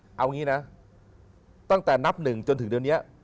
เอางี้นะตั้งแต่นับหนึ่งจนถึงเดือนนี้